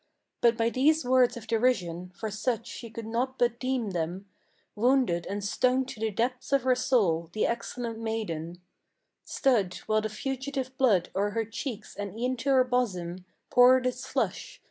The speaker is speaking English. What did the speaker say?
But by these words of derision, for such she could not but deem them, Wounded, and stung to the depths of her soul, the excellent maiden, Stood, while the fugitive blood o'er her cheeks and e'en to her bosom, Poured its flush.